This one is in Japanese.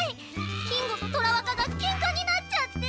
金吾と虎若がケンカになっちゃって。